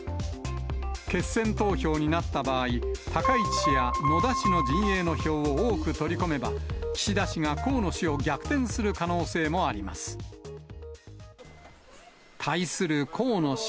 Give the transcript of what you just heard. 決選投票になった場合、高市氏や野田氏の陣営の票を多く取り込めば、岸田氏が河野氏を逆転する可能性もあります。